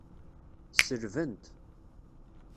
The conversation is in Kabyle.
Sselben-t.